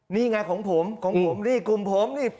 นี่ไงของผมของผมนี่กลุ่มผมนี่